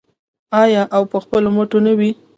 آیا او په خپلو مټو نه وي؟